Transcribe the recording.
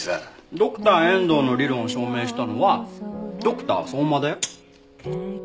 ドクター遠藤の理論を証明したのはドクター相馬だよ。